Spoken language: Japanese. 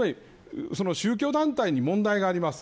宗教団体に問題があります。